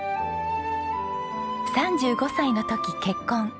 ３５歳の時結婚。